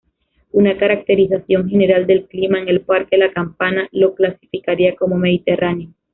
Una caracterización general del clima en el Parque La Campana lo clasificaría como mediterráneo.